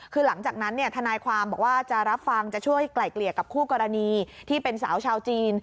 คือหลังจากนั้นทนายความบอกว่าจะรับฟังจะช่วยไกล่เกลี่ยกับคู่กรณีที่เป็นสาวชาวจีน